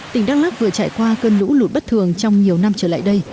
tỉnh đắk lắc vừa trải qua cơn lũ lụt bất thường trong nhiều năm trở lại đây